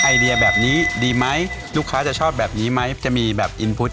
ไอเดียแบบนี้ดีไหมลูกค้าจะชอบแบบนี้ไหมจะมีแบบอินพุธ